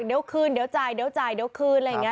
เดี๋ยวคืนเดี๋ยวจ่ายเดี๋ยวคืนอะไรอย่างนี้